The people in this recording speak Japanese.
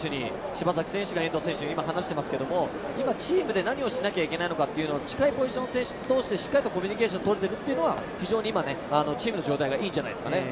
柴崎選手が遠藤選手に今、話していますけれども、今、チームで何をしなきゃいけないというのが近い選手同士でしっかりコミュニケーションが取れてるってのはチームの状態がいいんじゃないでしょうかね。